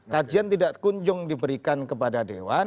kajian tidak kunjung diberikan kepada dewan